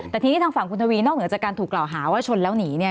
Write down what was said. แต่ทีนี้ทางฝั่งคุณทวีนอกเหนือจากการถูกกล่าวหาว่าชนแล้วหนีเนี่ย